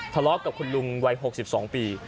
ทะเลาะกับคุณลุงวัย๖๒ปี